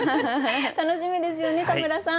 楽しみですよね田村さん。